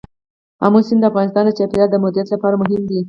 آمو سیند د افغانستان د چاپیریال د مدیریت لپاره مهم دي.